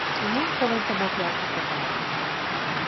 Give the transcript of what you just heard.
De muy joven tomó clases de canto.